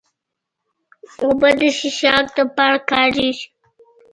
اوبه د څښاک لپاره کارېږي.